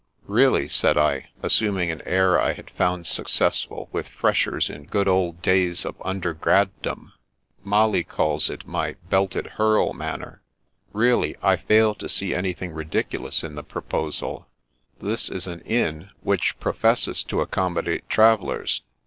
" Really," said I, assuming an air I had found successful with freshers in good old days of imder grad dom (Molly called it my " belted hearl " man ner), "really, I fail to see anything ridiculous in the proposal. This is an inn, which professes to accommodate travellers.